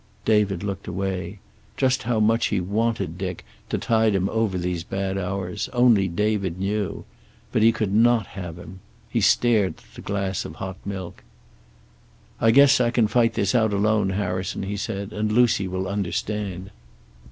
David looked away. Just how much he wanted Dick, to tide him over these bad hours, only David knew. But he could not have him. He stared at the glass of hot milk. "I guess I can fight this out alone, Harrison," he said. "And Lucy will understand."